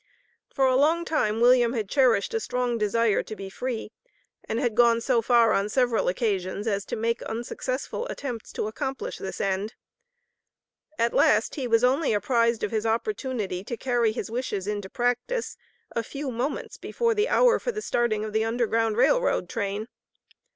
For a long time William had cherished a strong desire to be free, and had gone so far on several occasions as to make unsuccessful attempts to accomplish this end. At last he was only apprised of his opportunity to carry his wishes into practice a few moments before the hour for the starting of the Underground Rail Road train.